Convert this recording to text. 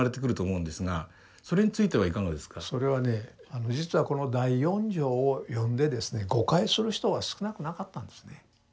あの実はこの第四条を読んでですね誤解する人は少なくなかったんですね。